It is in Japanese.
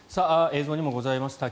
映像にもございました